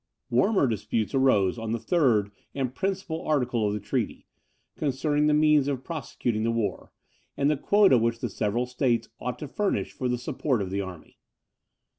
Warmer disputes arose on the third and principal article of the treaty, concerning the means of prosecuting the war, and the quota which the several states ought to furnish for the support of the army.